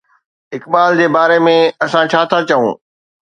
اقبال جي باري ۾ اسان ڇا ٿا چئون؟